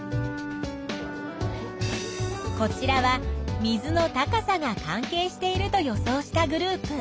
こちらは水の高さが関係していると予想したグループ。